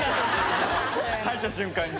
入った瞬間に。